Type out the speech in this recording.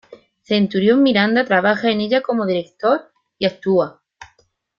Centurión Miranda trabaja en ella como director, y actúa.